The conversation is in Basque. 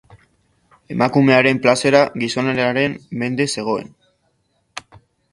Emakumearen plazera gizonarenaren mende zegoen.